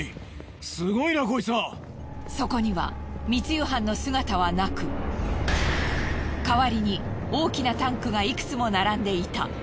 そこには密輸犯の姿はなく代わりに大きなタンクがいくつも並んでいた。